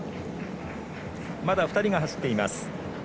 まだ２人が走っています。